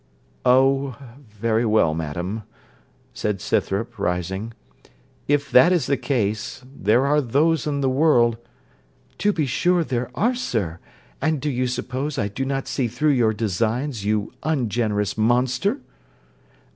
'Oh! very well, madam,' said Scythrop, rising, 'if that is the case, there are those in the world ' 'To be sure there are, sir; and do you suppose I do not see through your designs, you ungenerous monster?'